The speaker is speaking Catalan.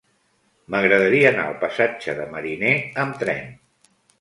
M'agradaria anar al passatge de Mariner amb tren.